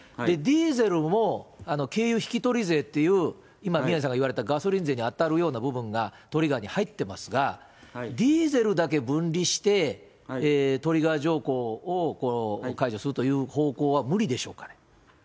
ディーゼルも軽油引取税っていう、今、宮根さんが言われたガソリン税に当たるような部分がトリガーに入ってますが、ディーゼルだけ分離して、トリガー条項を解除するという方向は無理でしょうかね。